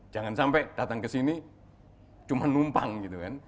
jangan sampai datang ke sini cuma numpang gitu kan